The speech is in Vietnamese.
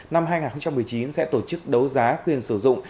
năm hai nghìn một mươi chín sẽ tổ chức đấu giá quyền sử dụng